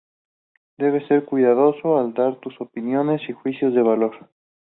Debes ser cuidadoso al dar tus opiniones y juicios de valor.